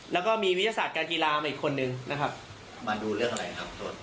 แล้วก็มีวิทยาศาสตร์การกีฬามาอีกคนนึงนะครับมาดูเรื่องอะไรครับ